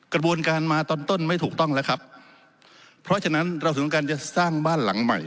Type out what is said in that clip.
กระบวนการมาตอนต้นไม่ถูกต้องแล้วครับเพราะฉะนั้นเราถึงการจะสร้างบ้านหลังใหม่